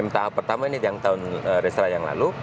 m tahap pertama ini yang tahun reinserai yang lalu